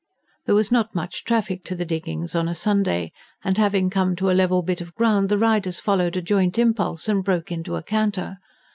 There was not much traffic to the diggings on a Sunday. And having come to a level bit of ground, the riders followed a joint impulse and broke into a canter.